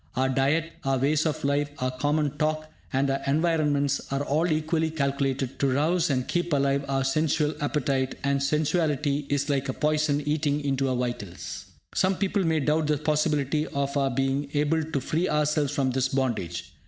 Our diet, our ways of life, our common talk, and our environments are all equally calculated to rouse and keep alive our sensual appetite; and sensuality is like a poison, eating into our vitals. Some people may doubt the possibility of our being able to free ourselves from this bondage.